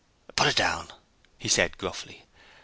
"Put it down!" he said gruffly.